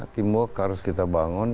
teamwork harus kita bangun